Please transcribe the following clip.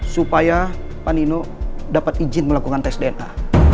supaya pak nino dapat izin melakukan tes dna